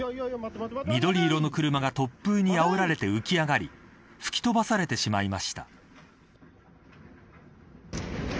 緑色の車が突風にあおられて浮き上がり吹き飛ばされてしまいました。